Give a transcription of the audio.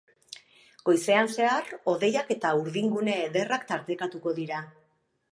Goizean zehar, hodeiak eta urdingune ederrak tartekatuko dira.